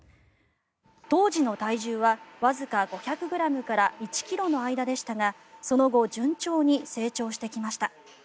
当時の体重はわずか５００ｇから１ｋｇの間でしたがその後順調に成長してきました。